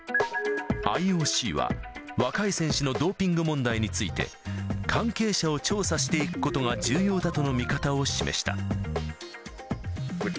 ＩＯＣは、若い選手のドーピング問題について、関係者を調査していくことが重要だとの見方を示した。